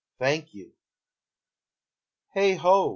Thank you. Heigh ho!